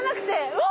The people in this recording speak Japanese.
うわ！